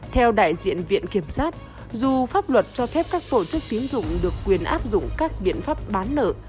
theo đại diện viện kiểm sát dù pháp luật cho phép các tổ chức tiến dụng được quyền áp dụng các biện pháp bán nợ